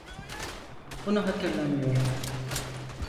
Bunu hatırlamıyorum.